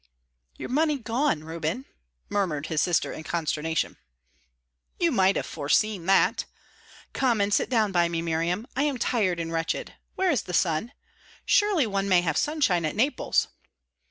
"Your money gone, Reuben?" murmured his sister, in consternation. "You might have foreseen that. Come and sit down by me, Miriam. I am tired and wretched. Where is the sun? Surely one may have sunshine at Naples!"